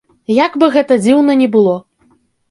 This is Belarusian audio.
Як бы гэта дзіўна ні было.